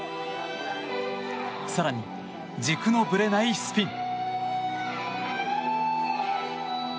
更に、軸のぶれないスピン。